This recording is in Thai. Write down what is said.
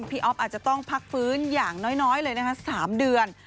อ๊อฟอาจจะต้องพักฟื้นอย่างน้อยเลยนะคะ๓เดือน